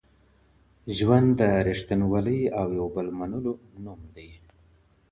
ژوند د ريښتينولي او يو بل منلو نوم دی.